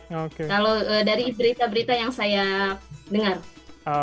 kalau dari berita berita yang saya dengar